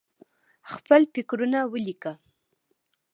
خپل فکرونه ولیکه.